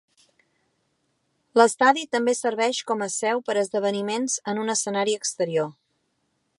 L'estadi també serveix com a seu per a esdeveniments en un escenari exterior.